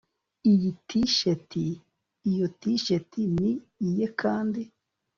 Iyi ni Tshirt Iyo Tshirt ni iye kandi